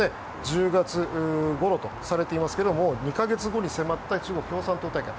１０月ごろとされていますが２か月後に迫った中国共産党大会。